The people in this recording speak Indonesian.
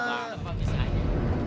aduh pak bisa aja